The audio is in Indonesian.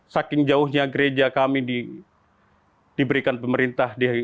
saking jauhnya gereja kami diberikan pemerintah di serang kota